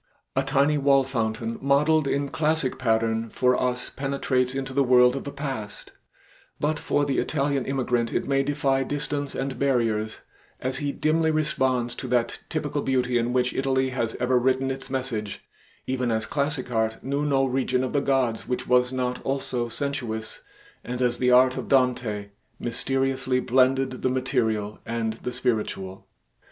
A tiny wall fountain modeled in classic pattern, for us penetrates into the world of the past, but for the Italian immigrant it may defy distance and barriers as he dimly responds to that typical beauty in which Italy has ever written its message, even as classic art knew no region of the gods which was not also sensuous, and as the art of Dante mysteriously blended the material and the spiritual.